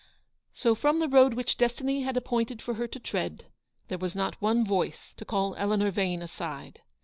So from the road which Destiny had appointed for her to tread, there was not one voice to call Eleanor Vane aside.